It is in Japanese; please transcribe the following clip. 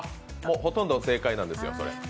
ほとんど正解なんですよ、それ。